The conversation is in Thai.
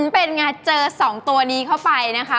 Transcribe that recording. เป็นไงเจอ๒ตัวนี้เข้าไปนะคะ